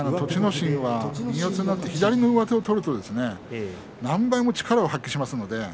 心は左の上手を取ると何倍も力を発揮します。